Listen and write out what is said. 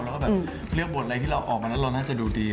แล้วก็แบบเลือกบทอะไรที่เราออกมาแล้วเราน่าจะดูดี